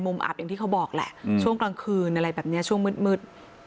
อับอย่างที่เขาบอกแหละช่วงกลางคืนอะไรแบบนี้ช่วงมืด